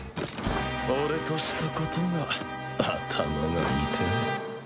俺としたことが頭が痛え。